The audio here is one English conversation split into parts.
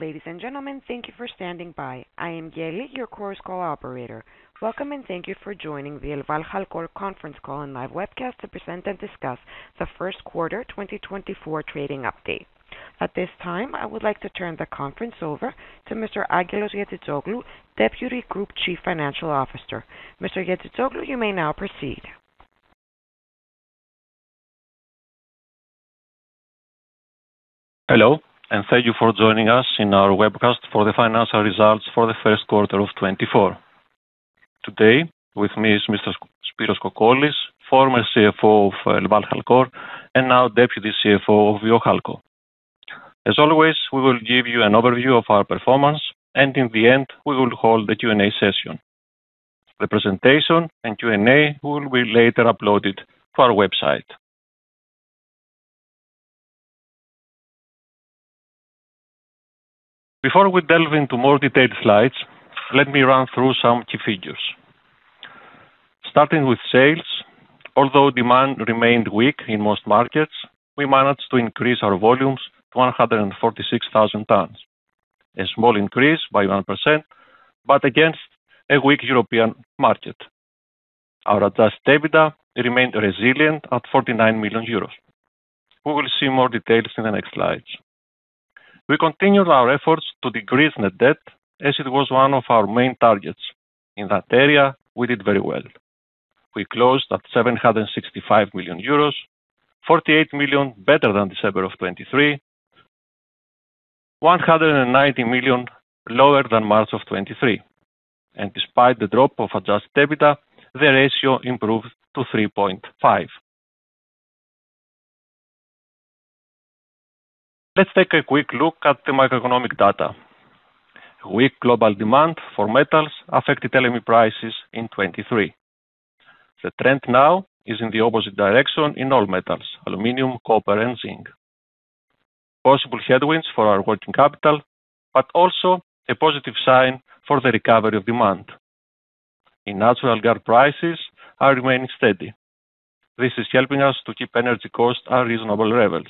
Ladies and gentlemen, thank you for standing by. I am Yeli, your conference call operator. Welcome, and thank you for joining the ElvalHalcor conference call and live webcast to present and discuss the first quarter 2024 trading update. At this time, I would like to turn the conference over to Mr. Angelos Giazitzoglou, Deputy Group Chief Financial Officer. Mr. Giazitzoglou, you may now proceed. Hello, and thank you for joining us in our webcast for the financial results for the first quarter of 2024. Today, with me is Mr. Spyros Kokkolis, former CFO of ElvalHalcor and now Deputy CFO of Viohalco. As always, we will give you an overview of our performance, and in the end, we will hold the Q&A session. The presentation and Q&A will be later uploaded to our website. Before we delve into more detailed slides, let me run through some key figures. Starting with sales, although demand remained weak in most markets, we managed to increase our volumes to 146,000 tons. A small increase by 1%, but against a weak European market. Our adjusted EBITDA remained resilient at 49 million euros. We will see more details in the next slides. We continued our efforts to decrease net debt as it was one of our main targets. In that area, we did very well. We closed at 765 million euros, 48 million better than December of 2023, 190 million lower than March of 2023, and despite the drop of adjusted EBITDA, the ratio improved to 3.5. Let's take a quick look at the macroeconomic data. Weak global demand for metals affected LME prices in 2023. The trend now is in the opposite direction in all metals, aluminum, copper, and zinc. Possible headwinds for our working capital, but also a positive sign for the recovery of demand. In natural gas, prices are remaining steady. This is helping us to keep energy costs at reasonable levels.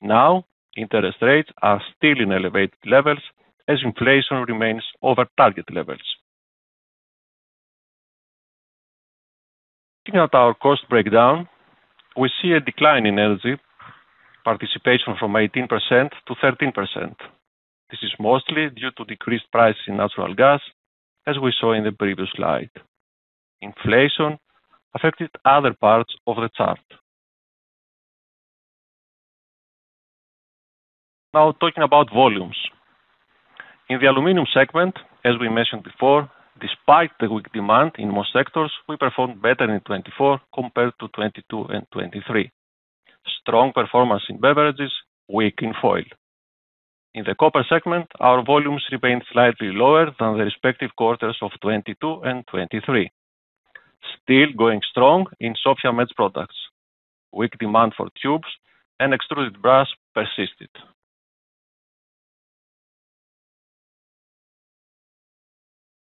Now, interest rates are still in elevated levels as inflation remains over target levels. Looking at our cost breakdown, we see a decline in energy participation from 18% to 13%. This is mostly due to decreased price in natural gas, as we saw in the previous slide. Inflation affected other parts of the chart. Now, talking about volumes. In the aluminum segment, as we mentioned before, despite the weak demand in most sectors, we performed better in 2024 compared to 2022 and 2023. Strong performance in beverages, weak in foil. In the copper segment, our volumes remained slightly lower than the respective quarters of 2022 and 2023. Still going strong in Sofia Med products. Weak demand for tubes and extruded brass persisted.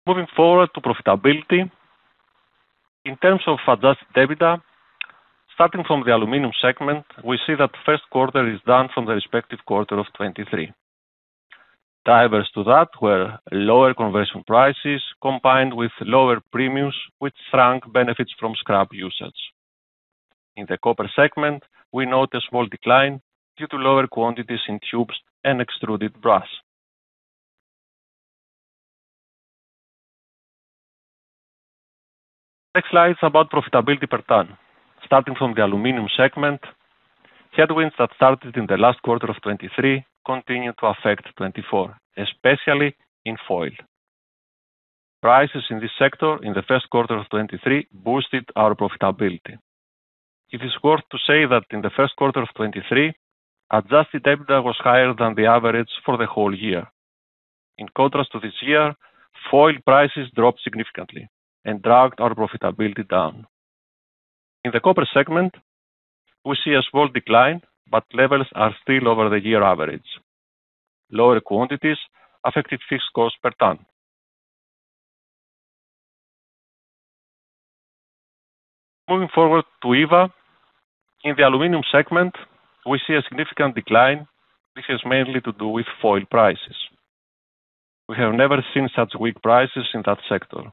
Moving forward to profitability. In terms of adjusted EBITDA, starting from the aluminum segment, we see that first quarter is down from the respective quarter of 2023. Drivers to that were lower conversion prices combined with lower premiums which shrunk benefits from scrap usage. In the copper segment, we note a small decline due to lower quantities in tubes and extruded brass. Next slide is about profitability per ton. Starting from the aluminum segment, headwinds that started in the last quarter of 2023 continued to affect 2024, especially in foil. Prices in this sector in the first quarter of 2023 boosted our profitability. It is worth to say that in the first quarter of 2023, adjusted EBITDA was higher than the average for the whole year. In contrast to this year, foil prices dropped significantly and dragged our profitability down. In the copper segment, we see a small decline, but levels are still over the year average. Lower quantities affected fixed costs per ton. Moving forward to EVA. In the aluminum segment, we see a significant decline which has mainly to do with foil prices. We have never seen such weak prices in that sector.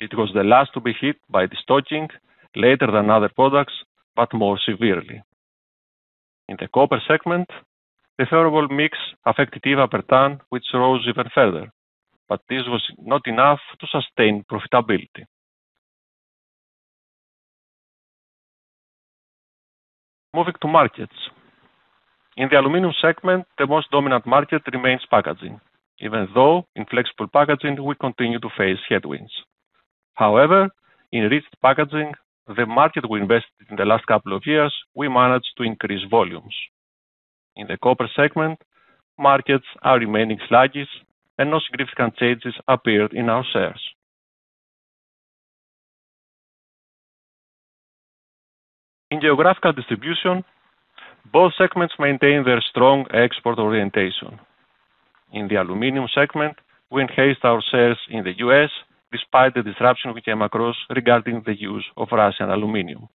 It was the last to be hit by destocking later than other products, but more severely. In the copper segment, the favorable mix affected EVA per ton, which rose even further, but this was not enough to sustain profitability. Moving to markets. In the aluminum segment, the most dominant market remains packaging, even though in flexible packaging we continue to face headwinds. However, in rigid packaging, the market we invested in the last couple of years, we managed to increase volumes. In the copper segment, markets are remaining sluggish and no significant changes appeared in our shares. In geographical distribution, both segments maintain their strong export orientation. In the aluminum segment, we enhanced our sales in the US despite the disruption we came across regarding the use of Russian aluminum.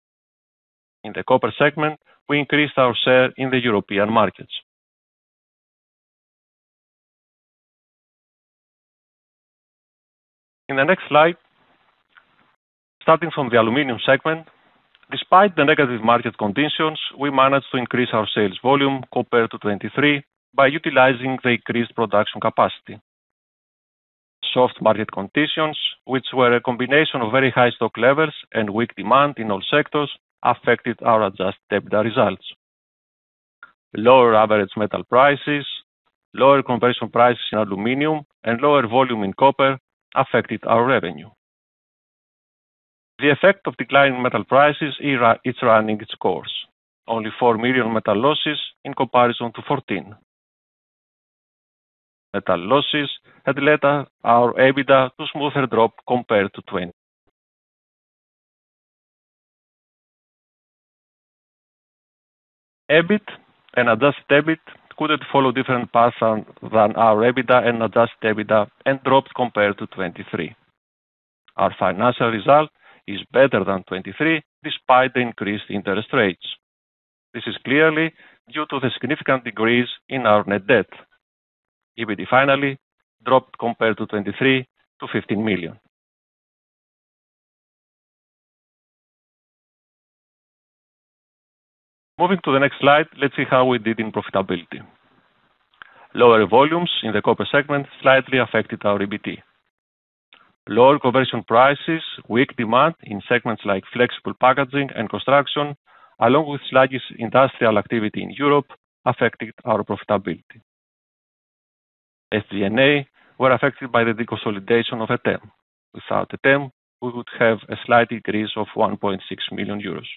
In the copper segment, we increased our share in the European markets. In the next slide, starting from the aluminum segment, despite the negative market conditions, we managed to increase our sales volume compared to 2023 by utilizing the increased production capacity. Soft market conditions, which were a combination of very high stock levels and weak demand in all sectors, affected our adjusted EBITDA results. Lower average metal prices, lower conversion prices in aluminum, and lower volume in copper affected our revenue. The effect of declining metal prices is running its course. Only 4 million metal losses in comparison to 14 million. Metal losses had led our EBITDA to smoother drop compared to 2020. EBIT and adjusted EBIT couldn't follow different paths than our EBITDA and adjusted EBITDA and dropped compared to 2023. Our financial result is better than 2023 despite the increased interest rates. This is clearly due to the significant decrease in our net debt. EBITDA, finally, dropped compared to 2023 to 15 million. Moving to the next slide, let's see how we did in profitability. Lower volumes in the copper segment slightly affected our EBIT. Lower conversion prices, weak demand in segments like flexible packaging and construction, along with sluggish industrial activity in Europe affected our profitability. SG&A were affected by the deconsolidation of Etem. Without Etem, we would have a slight decrease of 1.6 million euros.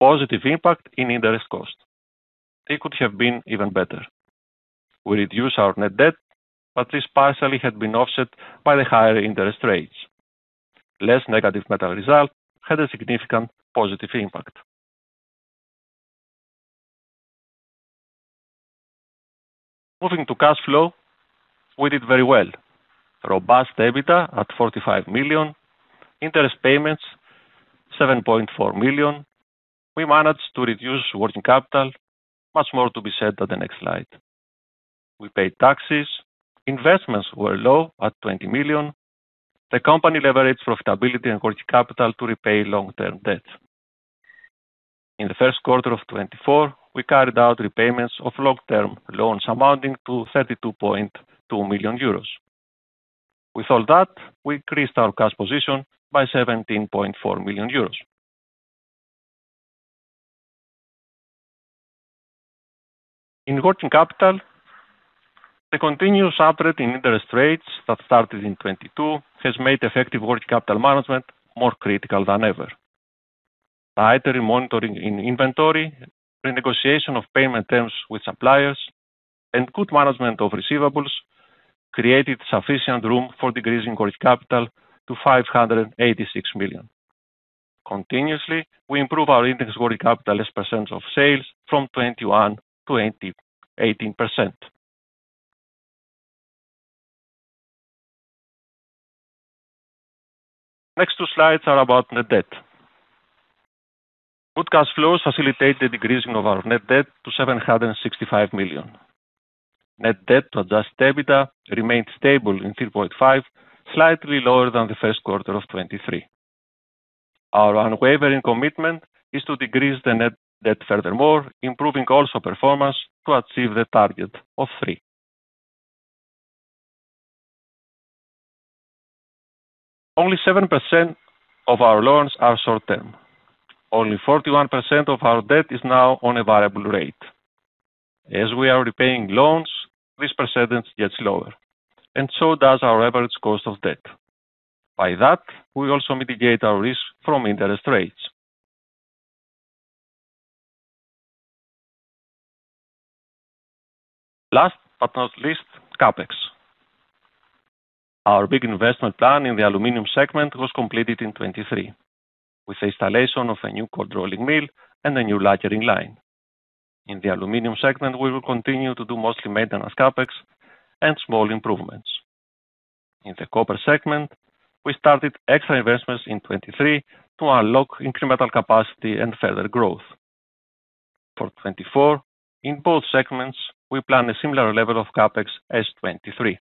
Positive impact in interest cost. It could have been even better. We reduced our net debt, but this partially had been offset by the higher interest rates. Less negative metal result had a significant positive impact. Moving to cash flow, we did very well. Robust EBITDA at 45 million. Interest payments, 7.4 million. We managed to reduce working capital. Much more to be said on the next slide. We paid taxes. Investments were low at 20 million. The company leveraged profitability and working capital to repay long-term debts. In the first quarter of 2024, we carried out repayments of long-term loans amounting to 32.2 million euros. With all that, we increased our cash position by 17.4 million euros. In working capital, the continuous upgrade in interest rates that started in 2022 has made effective working capital management more critical than ever. Tighter monitoring in inventory, renegotiation of payment terms with suppliers, and good management of receivables created sufficient room for decreasing working capital to 586 million. Continuously, we improve our inventory working capital as percentage of sales from 21% to 18%. Next two slides are about net debt. Good cash flows facilitate the decreasing of our net debt to 765 million. Net debt to adjusted EBITDA remained stable in 3.5, slightly lower than the first quarter of 2023. Our unwavering commitment is to decrease the net debt furthermore, improving also performance to achieve the target of 3. Only 7% of our loans are short-term. Only 41% of our debt is now on a variable rate. As we are repaying loans, this percentage gets lower, and does our average cost of debt. By that, we also mitigate our risk from interest rates. Last but not least, CapEx. Our big investment plan in the aluminum segment was completed in 2023, with the installation of a new cold rolling mill and a new lacquering line. In the aluminum segment, we will continue to do mostly maintenance CapEx and small improvements. In the copper segment, we started extra investments in 2023 to unlock incremental capacity and further growth. For 2024, in both segments, we plan a similar level of CapEx as 2023.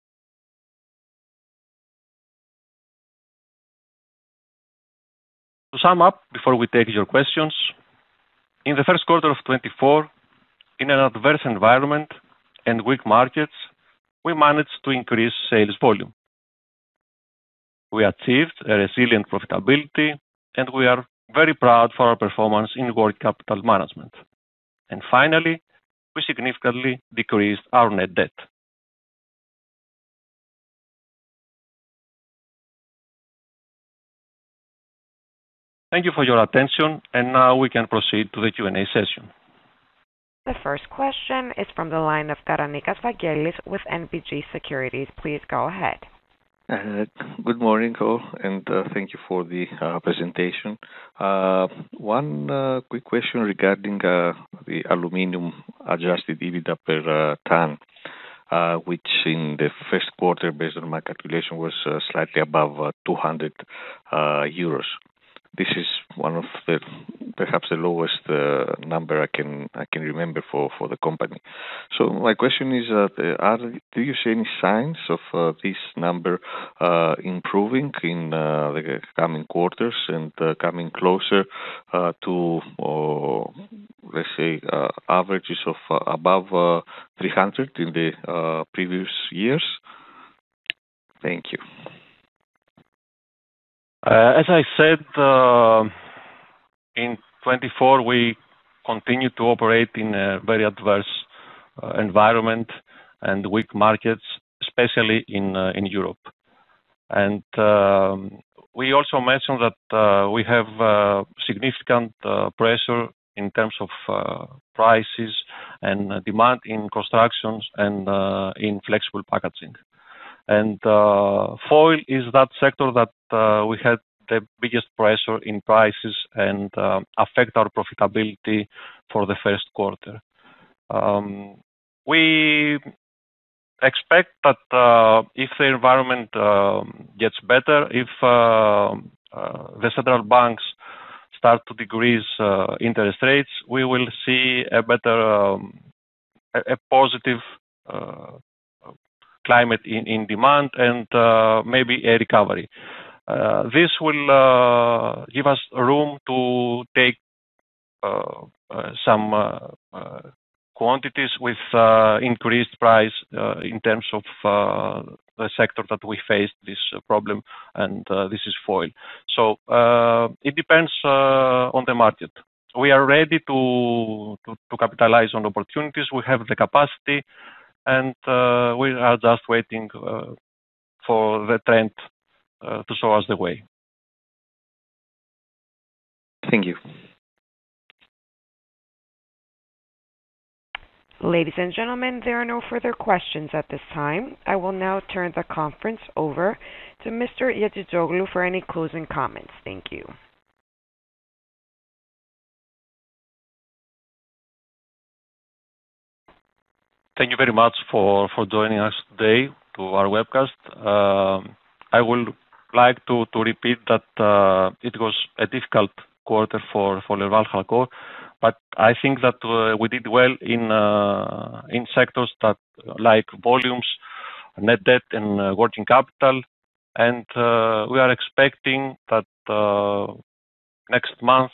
To sum up, before we take your questions, in the first quarter of 2024, in an adverse environment and weak markets, we managed to increase sales volume. We achieved a resilient profitability, and we are very proud for our performance in working capital management. Finally, we significantly decreased our net debt. Thank you for your attention, and now we can proceed to the Q&A session. The first question is from the line of Vangelis Karanikas with NBG Securities. Please go ahead. Good morning all, and thank you for the presentation. One quick question regarding the aluminum adjusted EBITDA per ton Which in the first quarter, based on my calculation, was slightly above 200 euros. This is one of the perhaps the lowest number I can remember for the company. My question is, do you see any signs of this number improving in like coming quarters and coming closer to, let's say, averages of above 300 in the previous years? Thank you. As I said, in 2024, we continued to operate in a very adverse environment and weak markets, especially in Europe. We also mentioned that we have significant pressure in terms of prices and demand in constructions and in flexible packaging. Foil is that sector that we had the biggest pressure in prices and affect our profitability for the first quarter. We expect that if the environment gets better, if the central banks start to decrease interest rates, we will see a better, a positive climate in demand and maybe a recovery. This will give us room to take some quantities with increased price in terms of the sector that we face this problem, and this is foil. It depends on the market. We are ready to capitalize on opportunities. We have the capacity and we are just waiting for the trend to show us the way. Thank you. Ladies and gentlemen, there are no further questions at this time. I will now turn the conference over to Mr. Giazitzoglou for any closing comments. Thank you. Thank you very much for joining us today to our webcast. I would like to repeat that it was a difficult quarter for ElvalHalcor, but I think that we did well in sectors that like volumes, net debt and working capital. We are expecting that next month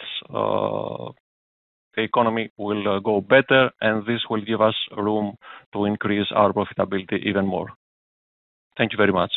the economy will go better, and this will give us room to increase our profitability even more. Thank you very much.